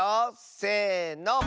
せの！